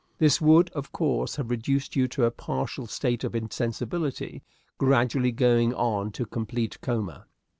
This would, of course, have reduced you to a partial state of insensibility, gradually going on to complete coma.